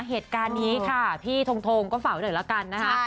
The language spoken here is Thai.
เหตุการณ์นี้ค่ะพี่ทงก็ฝากไว้หน่อยละกันนะคะ